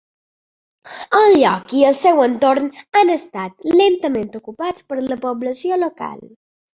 El lloc i el seu entorn han estat lentament ocupats per la població local.